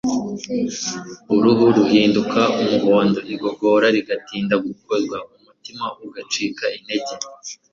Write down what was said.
uruhu ruhinduka umuhondo, igogora rigatinda gukorwa; umutima ugacika intege